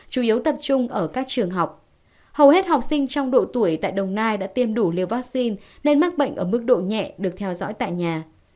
chủ yếu tập trung ở các trường học hầu hết học sinh trong độ tuổi tại đồng nai đã tiêm đủ liều vaccine nên mắc bệnh ở mức độ nhẹ được theo dõi tại nhà